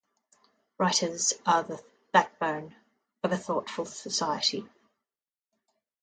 Writers are the backbone of a thoughtful society.